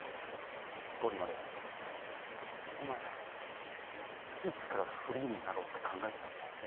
ゴリ丸お前いつからフリーになろうって考えてたんだ？